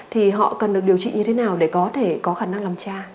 thì họ cần được điều trị như thế nào để có thể có khả năng làm cha